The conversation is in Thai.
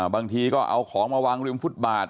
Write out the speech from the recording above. บางทีก็เอาของมาวางริมฟุตบาท